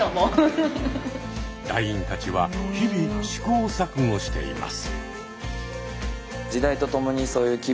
団員たちは日々試行錯誤しています。